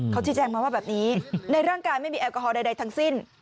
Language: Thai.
เขาชี้แจงมาว่าแบบนี้ในร่างกายไม่มีแอลกอฮอลใดทั้งสิ้น